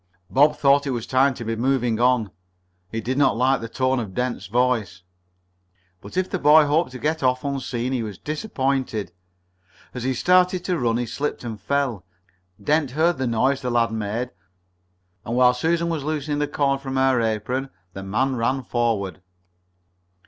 Bob thought it was time to be moving on. He did not like the tone of Dent's voice. But if the boy hoped to get off unseen he was disappointed. As he started to run he slipped and fell. Dent heard the noise the lad made, and while Susan was loosening the cord from her apron the man ran forward.